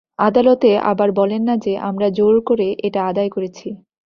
আদালতে আবার বলেন না যে আমরা জোর করে এটা আদায় করেছি।